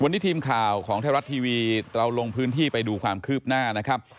วันนี้ทีมข่าวของไทยรัฐทีวีเราลงพื้นที่ไปดูความคืบหน้านะครับ